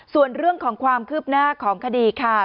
ส่วนเรื่องของความคืบหน้าของคดีค่ะ